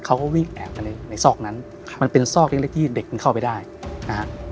เขาก็วิ่งแอบไปในซอกนั้นมันเป็นซอกเล็กที่เด็กมันเข้าไปได้นะฮะ